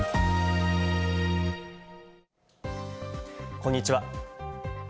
こんにちは。